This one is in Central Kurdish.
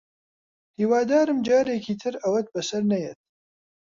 هیوادارم جارێکی تر ئەوەت بەسەر نەیەت